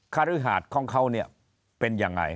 คฤหาดของเขาเนี่ยเป็นยังไง